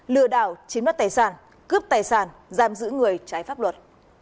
lừa đảo chiếm đoạt tài sản cướp tài sản giam giữ người trái pháp luật